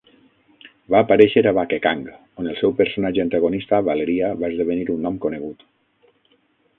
Va aparèixer a "Bakekang", on el seu personatge antagonista, Valeria, va esdevenir un nom conegut.